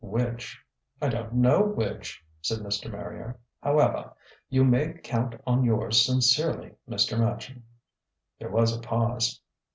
"Which?" "I don't know which," said Mr. Marrier. "Howevah, you may count on yours sincerely, Mr. Machin." There was a pause.